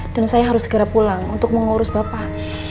dan saya harus segera pulang untuk mengurus bapak